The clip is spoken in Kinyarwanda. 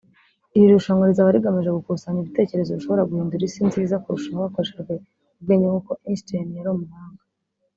iri rushanwa rizaba rigamije gukusanya ibitekerezo bishobora guhindura isi nziza kurushaho hakoreshejwe ubwenge nk’uko Einstein yari umuhanga